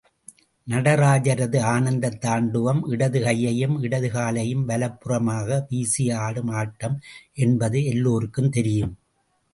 நடராஜரது ஆனந்தத் தாண்டவம் இடது கையையும், இடது காலையும் வலப்புறமாக வீசி ஆடும் ஆட்டம் என்பது எல்லாருக்கும் தெரியும்.